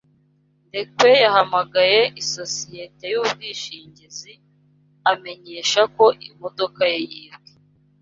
Ndekwe yahamagaye isosiyete y’ubwishingizi amenyesha ko imodoka ye yibwe.